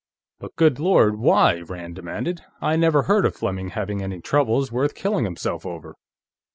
"But good Lord, why?" Rand demanded. "I never heard of Fleming having any troubles worth killing himself over."